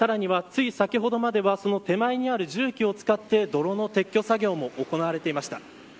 つい先ほどまではその手前にある重機を使って泥の撤去作業も行われていました。